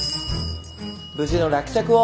無事の落着を。